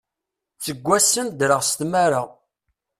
Seg wassen ddreɣ s tmara.